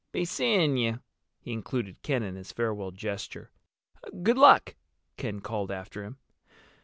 "Be seeing you!" He included Ken in his farewell gesture. "Good luck!" Ken called after him.